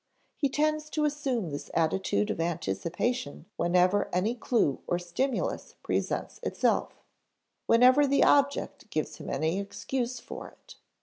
He tends to assume this attitude of anticipation whenever any clue or stimulus presents itself; whenever the object gives him any excuse for it.